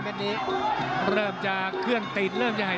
นี่นี่นี่นี่นี่นี่นี่นี่